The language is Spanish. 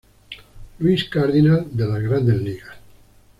Louis Cardinals de las Grandes Ligas.